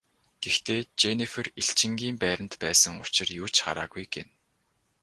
Гэхдээ Женнифер элчингийн байранд байсан учир юу ч хараагүй гэнэ.